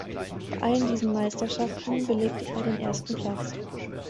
Bei allen diesen Meisterschaften belegte er den ersten Platz.